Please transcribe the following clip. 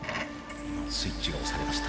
スイッチが押されました。